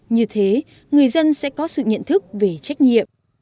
như thế người dân sẽ có sự nhận thức về trách nhiệm